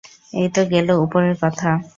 এই তো গেল উপরের কথা।